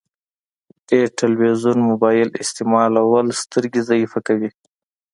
ډير تلويزون مبايل استعمالول سترګي ضعیفه کوی